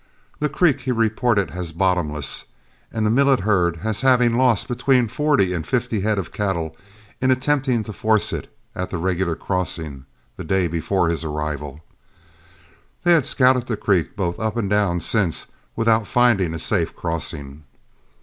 This creek he reported as bottomless, and the Millet herd as having lost between forty and fifty head of cattle in attempting to force it at the regular crossing the day before his arrival. They had scouted the creek both up and down since without finding a safe crossing.